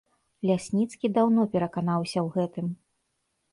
Лясніцкі даўно пераканаўся ў гэтым.